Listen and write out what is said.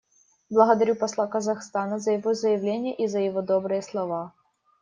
Благодарю посла Казахстана за его заявление и за его добрые слова.